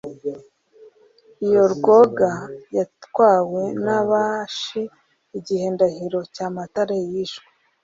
iyo rwoga yatwawe n'abashi igihe ndahiro cyamatare yishwe.